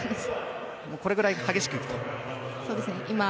これぐらい激しくいくと。